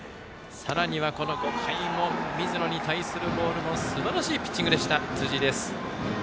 さらに５回水野に対するボールもすばらしいピッチングだった辻井。